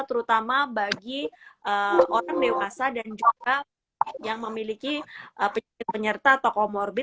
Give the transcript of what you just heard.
terutama bagi orang dewasa dan juga yang memiliki penyerta atau comorbid